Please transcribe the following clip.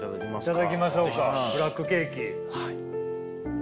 頂きましょうかブラックケーキ。